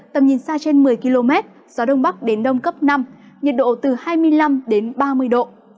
tầm nhìn xa trên một mươi km gió đông bắc đến đông cấp năm nhiệt độ từ hai mươi năm đến ba mươi độ